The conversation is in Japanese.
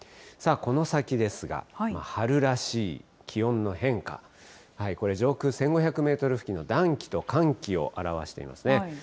この先ですが、春らしい気温の変化、これ、上空１５００メートル付近の暖気と寒気を表していますね。